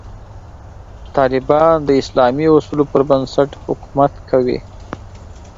طالبان د اسلامي اصولو پر بنسټ حکومت کوي.